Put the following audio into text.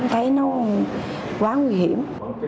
thấy nó quá nguy hiểm